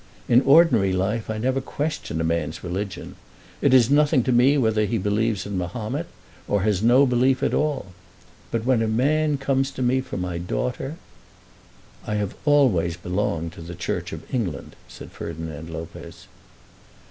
In ordinary life I never question a man's religion. It is nothing to me whether he believes in Mahomet, or has no belief at all. But when a man comes to me for my daughter " "I have always belonged to the Church of England," said Ferdinand Lopez.